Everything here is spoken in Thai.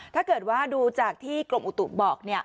ถ้าเกิดว่าดูจากที่กรมอุตุบอก